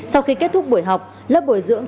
sau khi kết thúc buổi học lớp bồi dưỡng